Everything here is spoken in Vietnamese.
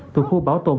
thuộc khu bảo tồn